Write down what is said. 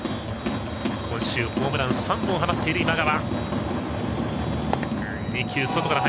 今週、ホームラン３本を放っている今川。